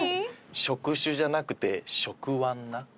「触手じゃなくて触腕な」